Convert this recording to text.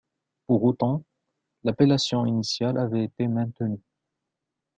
Pour autant, l’appellation initiale avait été maintenue.